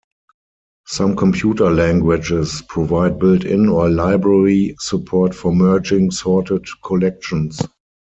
Some computer languages provide built-in or library support for merging sorted collections.